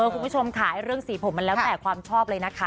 คุณผู้ชมค่ะเรื่องสีผมมันแล้วแต่ความชอบเลยนะคะ